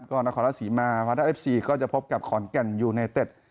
ก็นครราชศรีมาวาดาเอฟซีก็จะพบกับขอนแก่นยูไนเต็ด